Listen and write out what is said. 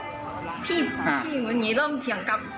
พี่เหมือนอย่างนี้เริ่มเถียงกลับ